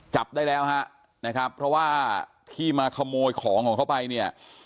จับได้แล้วฮะนะครับเพราะว่าที่มาขโมยของของเขาไปเนี่ย